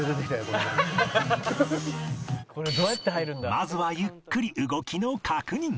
まずはゆっくり動きの確認